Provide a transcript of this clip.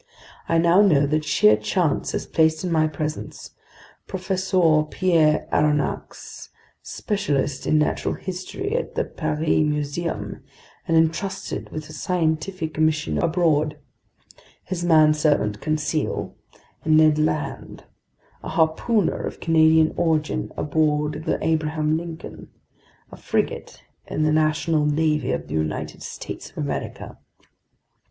I now know that sheer chance has placed in my presence Professor Pierre Aronnax, specialist in natural history at the Paris Museum and entrusted with a scientific mission abroad, his manservant Conseil, and Ned Land, a harpooner of Canadian origin aboard the Abraham Lincoln, a frigate in the national navy of the United States of America."